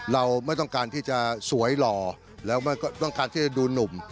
เราไม่ต้องการที่จะสวยหล่อแล้วไม่ต้องการที่จะดูหนุ่ม